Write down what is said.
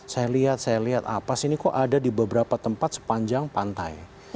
saya lihat saya lihat apa sih ini kok ada di beberapa tempat sepanjang pantai